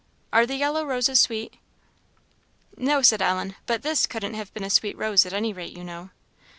Are the yellow roses sweet?" "No," said Ellen; "but this couldn't have been a sweet rose at any rate, you know."